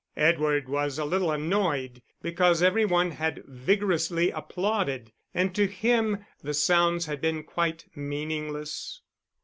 Edward was a little annoyed, because every one had vigorously applauded, and to him the sounds had been quite meaningless.